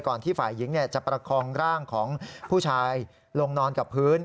ที่ฝ่ายหญิงจะประคองร่างของผู้ชายลงนอนกับพื้น